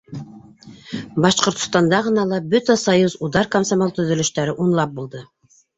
Башҡортостанда ғына ла Бөтә союз удар комсомол төҙөлөштәре унлап булды.